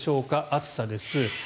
暑さです。